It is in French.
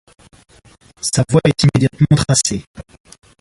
Sa voie est immédiatement tracée.